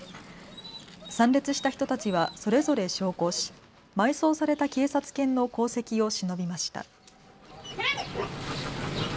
参列した人たちはそれぞれ焼香し埋葬された警察犬の功績をしのびました。